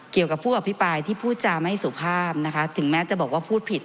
กับผู้อภิปรายที่พูดจาไม่สุภาพนะคะถึงแม้จะบอกว่าพูดผิด